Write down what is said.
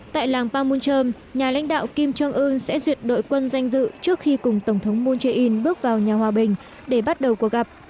tại làng pangmunchom nhà lãnh đạo kim jong un sẽ duyệt đội quân danh dự trước khi cùng tổng thống moon jae in bước vào nhà hòa bình để bắt đầu cuộc gặp